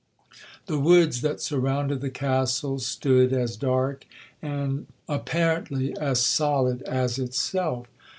The woods that surrounded the Castle stood as dark, and apparently as solid as itself.